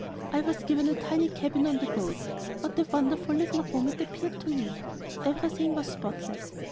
I was given a tiny cabin on the boat. What a wonderful little room it appeared to me! Everything was spotless.